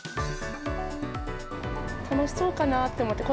楽しそうかなと思って。